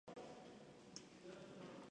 Fue pionero de medios alternativos.